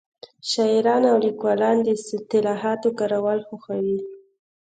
شاعران او لیکوالان د اصطلاحاتو کارول خوښوي